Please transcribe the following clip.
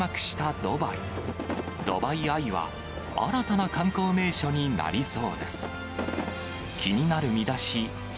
ドバイ・アイは新たな観光名所になりそうです。